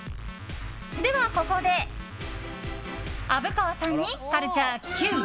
では、ここで虻川さんにカルチャーＱ。